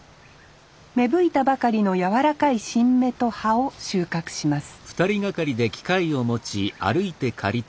芽吹いたばかりの柔らかい新芽と葉を収獲します